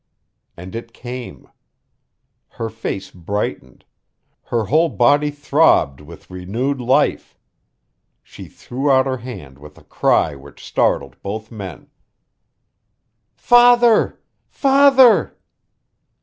And it came. Her face brightened her whole body throbbed with renewed life. She threw out her hand with a cry which startled both men. "Father! Father!"